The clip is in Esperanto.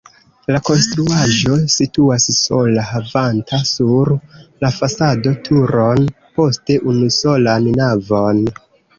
La konstruaĵo situas sola havanta sur la fasado turon, poste unusolan navon.